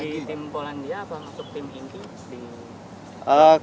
di tim polandia atau masuk tim ingki